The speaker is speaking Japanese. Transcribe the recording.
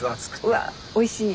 うわおいしい。